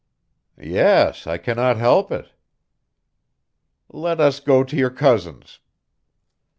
"Yes, I cannot help it." "Let us go to your cousin's."